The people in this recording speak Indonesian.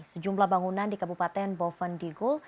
sejumlah bangunan di kabupaten bovendigul